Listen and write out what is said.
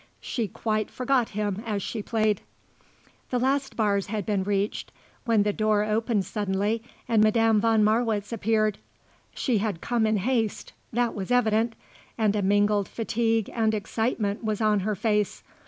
She quite forgot him as she played. The last bars had been reached when the door opened suddenly and Madame von Marwitz appeared. She had come in haste that was evident and a mingled fatigue and excitement was on her face.